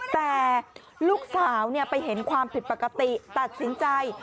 แต่ลูกสาวไปเห็นความผิดปกติตัดสินใจ